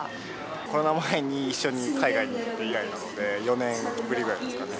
コロナ前に一緒に海外に行って以来なので、４年ぶりぐらいですかね。